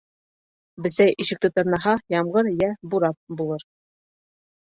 Бесәй ишекте тырнаһа, ямғыр, йә бурап булыр.